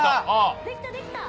できた、できた！